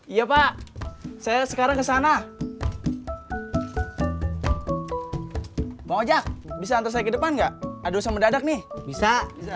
iya pak saya sekarang kesana mau jak bisa antar saya ke depan enggak ada usah mendadak nih bisa